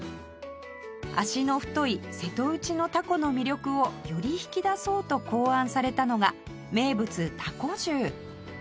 足の太い瀬戸内のたこの魅力をより引き出そうと考案されたのが名物たこ重